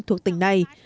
thuộc tỉnh này